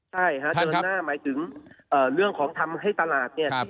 ใช่ฮะท่านครับหมายถึงเอ่อเรื่องของทำให้ตลาดเนี่ยครับ